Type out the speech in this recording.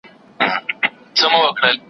زه به اوږده موده د نوي لغتونو يادونه کړې وم،